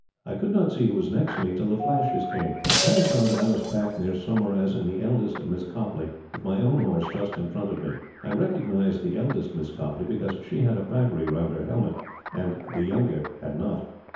I could not see who was next me till the flashes came. Then I found that I was packed near Saumarez and the eldest Miss Copleigh, with my own horse just in front of me. I recognized the eldest Miss Copleigh, because she had a pagri round her helmet, and the younger had not.